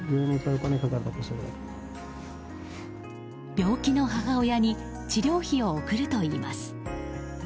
病気の母親に治療費を送るといいます。